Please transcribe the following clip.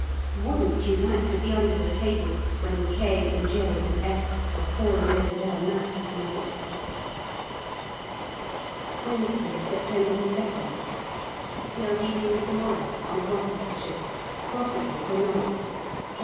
Wouldn't you like to be under the table when K. and J. and F. are poring over their maps to night? Wednesday, September 2nd. We are leaving to morrow, on a hospital ship, possibly for Nantes K.